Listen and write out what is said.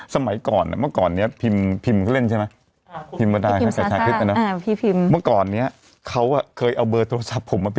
สมัยก่อนเนี่ยเมื่อก่อนเนี่ยพิมพ์